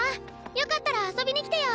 よかったら遊びに来てよ！